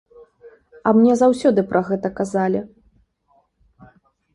А мне заўсёды пра гэта казалі!